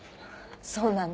そうなんだ。